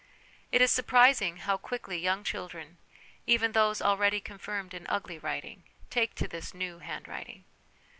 It is surprising how quickly young children, even those already confirmed in 'ugly' writing, take to this 'new handwriting.'